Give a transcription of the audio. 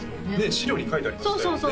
資料に書いてありましたよね